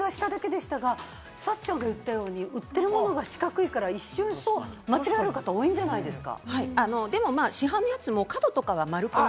そんな感じがしただけでしたが、さっちゃんが言ったように売ってるものが四角いから一瞬、間違いの方、多いんじゃないですか？